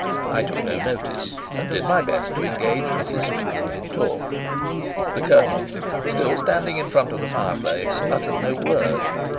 I took no notice, and did my best to engage Mrs. Strickland in talk. The Colonel, still standing in front of the fireplace, uttered no word.